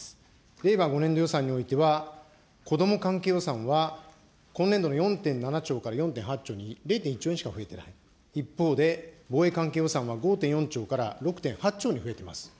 令和５年度予算においては、子ども関係予算は今年度の４．７兆から４．８兆に０．１兆円しか一方で、防衛関係予算は５．４兆から６．８兆に増えてます。